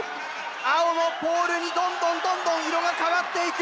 青のポールにどんどんどんどん色が変わっていく！